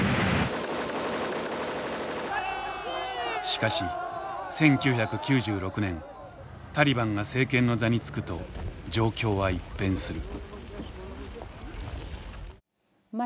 しかし１９９６年タリバンが政権の座につくと状況は一変する。